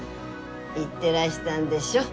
行ってらしたんでしょ？